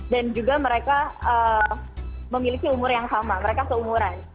dan juga mereka memiliki umur yang sama mereka keumuran